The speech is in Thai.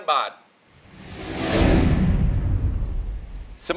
สวัสดีครับ